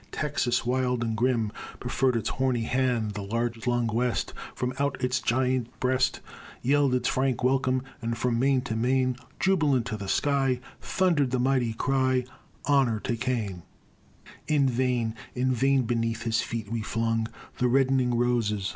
Texas, wild and grim, Proffer'd its horny hand. The large lung'd West, From out its giant breast, Yell'd its frank welcome. And from main to main, Jubilant to the sky, Thunder'd the mighty cry, HONOR TO KANE! In vain, in vain beneath his feet we flung The reddening roses!